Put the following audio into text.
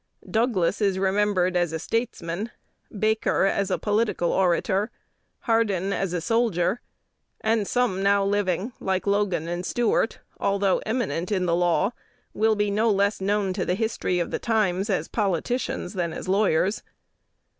Douglas is remembered as a statesman, Baker as a political orator, Hardin as a soldier, and some now living, like Logan and Stuart, although eminent in the law, will be no less known to the history of the times as politicians than as lawyers.